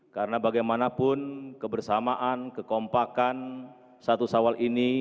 karena bagaimanapun kebersamaan kekompakan satu sawal ini